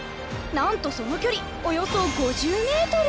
なんとその距離およそ５０メートル。